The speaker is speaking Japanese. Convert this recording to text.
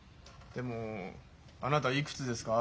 でも「あなたいくつですか」